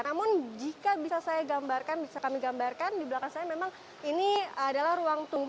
namun jika bisa saya gambarkan bisa kami gambarkan di belakang saya memang ini adalah ruang tunggu